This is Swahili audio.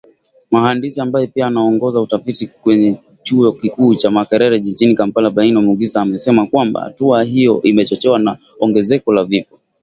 Mhandisi ambaye pia anaongoza utafiti kwenye chuo kikuu cha Makerere jijini Kampala Bain Omugisa amesema kwamba hatua hiyo imechochewa na ongezeko la vifo